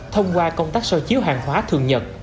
thông qua công tác so chiếu hàng hóa thường nhật